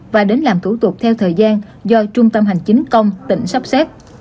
và đến làm thủ tục theo thời gian do trung tâm hành chính công tỉnh sắp xếp